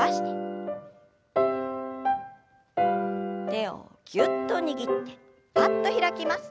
手をぎゅっと握ってぱっと開きます。